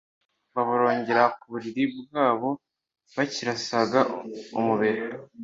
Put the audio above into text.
baborogera ku buriri bwabo, bakirasaga umubiri,